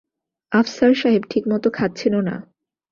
আফসার সাহেব ঠিকমতো খাচ্ছেনও না।